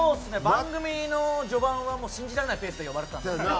番組の序盤はもう信じられないペースで呼ばれてたんですけど。